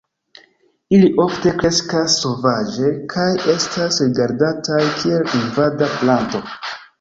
Ili ofte kreskas sovaĝe kaj estas rigardataj kiel invada planto.